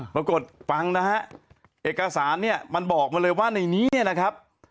ปรากฏฟังนะฮะเอกสารเนี่ยมันบอกมาเลยว่าในนี้เนี่ยนะครับ